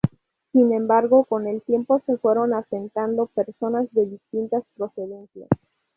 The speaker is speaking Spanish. Sin embargo, con el tiempo se fueron asentando personas de distintas procedencias.